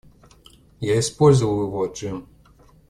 Я использовал его, Джим.